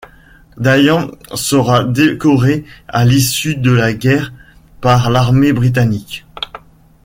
Dayan sera décoré à l'issue de la guerre, par l'armée britannique.